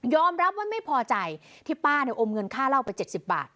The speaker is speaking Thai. ยอมรับว่ามีพอใจที่ป้าโอมเงินค่าเหล้าไป๗๐บาท